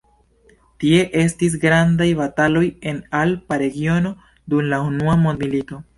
Tie estis grandaj bataloj en alpa regiono dum la unua mondmilito.